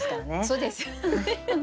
そうですよね。